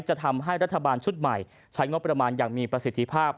จะทำให้รัฐบาลชุดใหม่ใช้งบประมาณอย่างมีประสิทธิภาพ